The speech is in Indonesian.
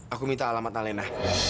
aku minta alamat nalena